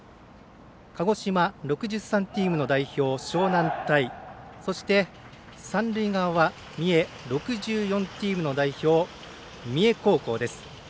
鹿児島６３チームの代表、樟南対三塁側は三重６４チームの代表三重高校です。